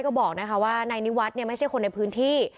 ก็บอกว่านายนิวัตไม่ใช่คนในพื้นที่